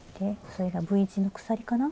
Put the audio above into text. それがＶ字の鎖かな？